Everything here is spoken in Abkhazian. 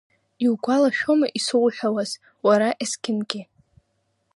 Иугәалашәома исоуҳәауаз, уара есқьынгьы…